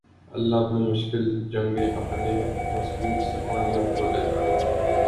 اللہ اپنی مشکل جنگیں اپنے مضبوط سپاہیوں کو دیتا ہے